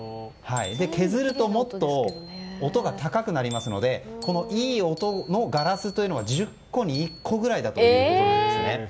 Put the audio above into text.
削るともっと音が高くなりますのでいい音のガラスというのが１０個に１個ぐらいということです。